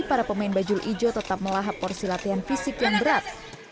para pemain bajul ijo tetap melahap porsi latihan fisik yang berat